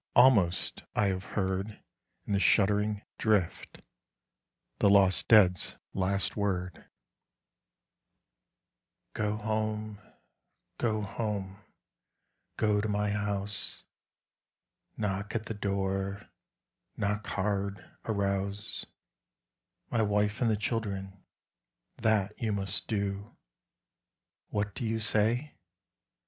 Almost I have heard In the shuddering drift the lost dead's last word: Go home, go home, go to my house; Knock at the door, knock hard, arouse My wife and the children that you must do What do you say?